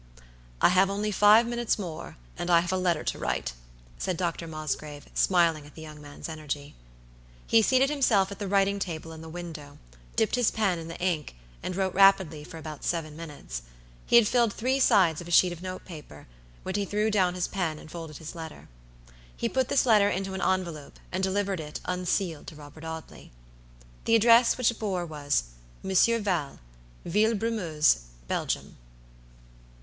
"I have only five minutes more, and I have a letter to write," said Dr. Mosgrave, smiling at the young man's energy. He seated himself at a writing table in the window, dipped his pen in the ink, and wrote rapidly for about seven minutes. He had filled three sides of a sheet of note paper, when he threw down his pen and folded his letter. He put this letter into an envelope, and delivered it, unsealed, to Robert Audley. The address which it bore was: "Monsieur Val, "Villebrumeuse, "Belgium."